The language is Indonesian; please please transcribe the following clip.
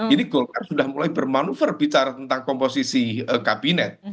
ini golkar sudah mulai bermanuver bicara tentang komposisi kabinet